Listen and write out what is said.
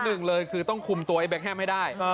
หนึ่งเลยคือต้องคุมตัวใช่